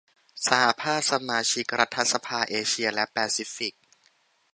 สหภาพสมาชิกรัฐสภาเอเชียและแปซิฟิก